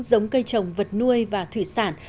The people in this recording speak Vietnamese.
giống cây trồng vật nuôi và thủy sản